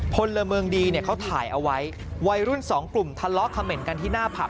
พลเมืองดีเนี่ยเขาถ่ายเอาไว้วัยรุ่นสองกลุ่มทะเลาะเขม่นกันที่หน้าผับ